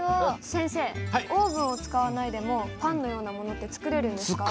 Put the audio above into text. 先生オーブンを使わないでもパンのようなものって作れるんですか？